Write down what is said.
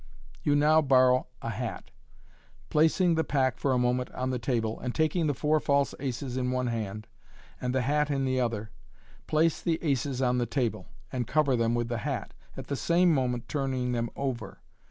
You now borrow a hat. Placing the pack for a moment on the table, and taking the four false aces in one hand and the hat in the other, place the aces on the table, and cover them with the hat, at the same moment turning them over.